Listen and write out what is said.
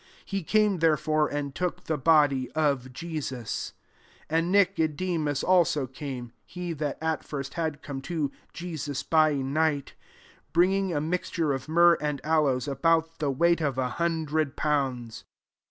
He came, there fore, and took the body of Jesus. 39 And Nicodemus also came, (he that at first had come to Je* sus by night,) bringing a mix ture of myrrh and aloes, about the weight qf a hundred pounds.